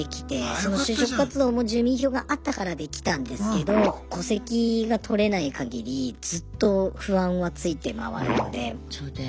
その就職活動も住民票があったからできたんですけど戸籍がとれない限りずっと不安はついてまわるので。